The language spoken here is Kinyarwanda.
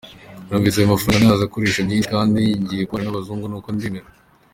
Numvise ayo mafaranga nazayakoresha byinshi kandi ngiye kubana n’abazungu nuko ndemera.